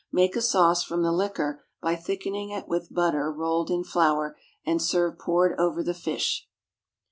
Make a sauce from the liquor by thickening it with butter rolled in flour, and serve poured over the fish.